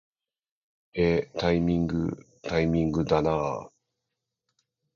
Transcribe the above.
えータイミングー、タイミングだなー